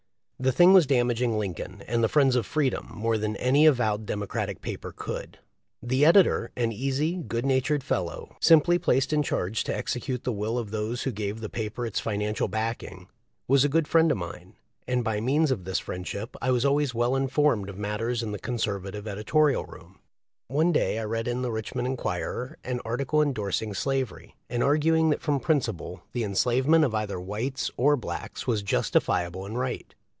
The thing was damaging Lincoln and the friends of freedom more than an avowed Democratic paper could. The editor, an easy, good natured fellow, simply placed in charge to execute the will of those who gave the paper its financial backing, was a good friend of mine, and by means of this friendship I was always 370 THE LIFE 0F LINCOLN. well informed of matters in the Conservative edi torial room. One day I read in the Richmond Enquirer an article endorsing slavery, and arguing that from principle the enslavement of either whites or blacks was justifiable and right.